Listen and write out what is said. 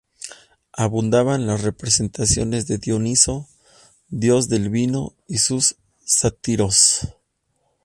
Abundaban las representaciones de Dioniso, dios del vino, y sus sátiros.